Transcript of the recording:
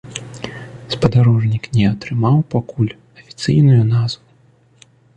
Спадарожнік не атрымаў пакуль афіцыйную назву.